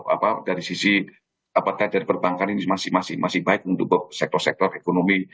apa dari sisi apakah dari perbankan ini masih baik untuk sektor sektor ekonomi